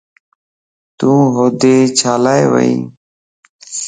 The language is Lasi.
تون ھودي چھيلا ويئي؟